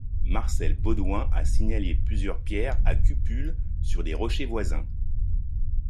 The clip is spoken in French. Marcel Baudouin a signalé plusieurs pierres à cupules sur des rochers voisins.